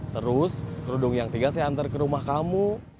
terus kerudung yang tiga saya antar ke rumah kamu